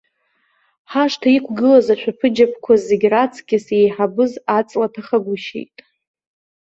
Ҳашҭа иқәгылаз ашәаԥыџьаԥқәа зегь раҵкыс еиҳабыз аҵла ҭахагәышьеит.